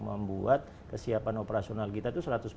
membuat kesiapan operasional kita